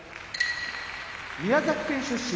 宮崎県出身